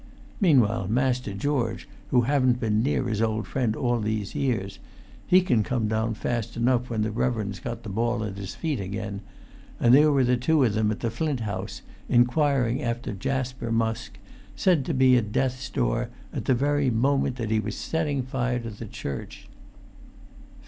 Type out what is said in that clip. Meanwhile, Master George, who haven't been near his old friend all these years, he can come down fast enough when the reverend's got the ball at his feet again; and there were the two of them at the Flint House, inquiring after Jasper Musk, said to be at death's door at the very moment he was setting fire to the church."